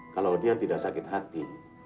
kalau dia tidak sakit hati